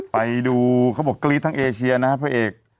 ไปดูเขาบอก๔๐ทั้งเอเชียนะฮะเพื่อเอก